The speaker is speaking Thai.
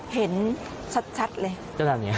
เห็นชัดเลย